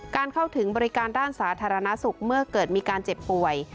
เข้าถึงบริการด้านสาธารณสุขเมื่อเกิดมีการเจ็บป่วย